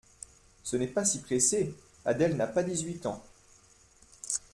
Ce n’est pas si pressé, Adèle n’a pas dix-huit ans.